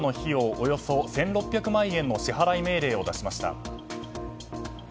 およそ１６００万円の支払い命令を出しました。